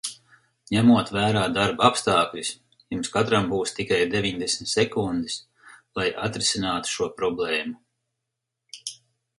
Ņemot vērā darba apstākļus, jums katram būs tikai deviņdesmit sekundes, lai atrisinātu šo problēmu.